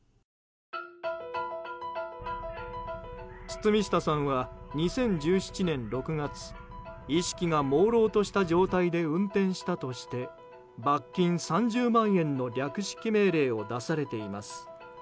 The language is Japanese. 堤下さんは２０１７年６月意識がもうろうとした状態で運転したとして罰金３０万円の略式命令を出されています。